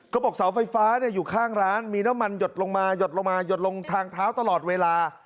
ก็บอกเสาไฟฟ้าอยู่ข้างร้านมีน้ำมันหยดลงมาหยดลงมาหยดลงทางเท้าตลอดเวลา